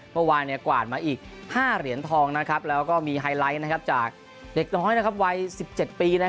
เมื่อวานกวาดมาอีก๕เหรียญทองแล้วก็มีไฮไลท์จากเด็กน้อยวัย๑๗ปี